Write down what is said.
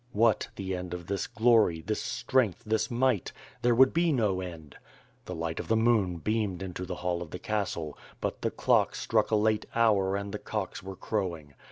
What the end of this glory, this strength, this migkt? There would be no end. The light of the moon beamed into the hall of the castle, but the clock struck a late hour and the cocks were crowing.